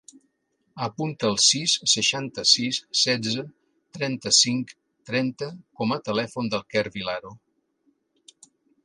Apunta el sis, seixanta-sis, setze, trenta-cinc, trenta com a telèfon del Quer Vilaro.